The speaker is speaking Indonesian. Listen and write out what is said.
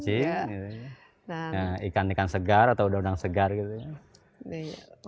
ikan ikan segar atau daunan segar gitu